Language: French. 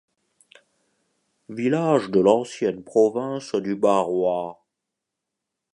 Village de l'ancienne province du Barrois.